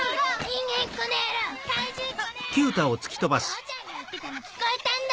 父ちゃんが言ってたの聞こえたんだ。